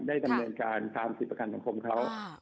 ได้ดำเนินการ๓๐ประกันสังคมเขา